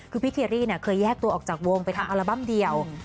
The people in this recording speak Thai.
คือพี่เครี่เคยแยกตัวออกจากวงไปทำอัลบั้มเดียว